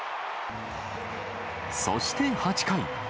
そして８回。